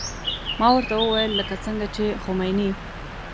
ما ورته وويل لکه څنګه چې خميني.